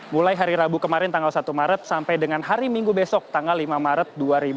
mulai hari rabu kemarin tanggal satu maret sampai dengan hari minggu besok tanggal lima maret dua ribu dua puluh